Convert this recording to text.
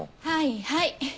はいはい。